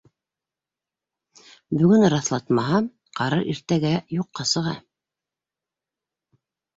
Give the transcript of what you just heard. Бөгөн раҫлатмаһам, ҡарар иртәгә юҡҡа сыға.